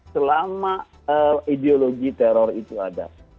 selama ideologi teror itu ada